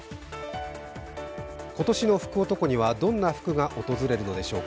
今年の福男にはどんな福が訪れるのでしょうか。